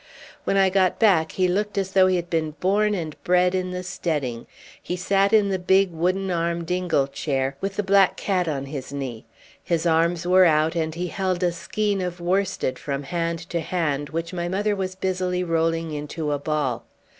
When I got back he looked as though he had been born and bred in the steading. He sat in the big wooden armed ingle chair, with the black cat on his knee. His arms were out, and he held a skein of worsted from hand to hand which my mother was busily rolling into a ball.